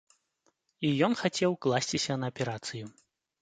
І ён хацеў класціся на аперацыю.